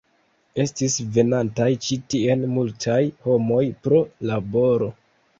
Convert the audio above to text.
Estis venantaj ĉi tien multaj homoj pro laboro.